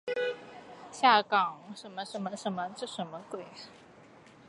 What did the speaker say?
下岗再南坎沿遗址的历史年代为唐汪式。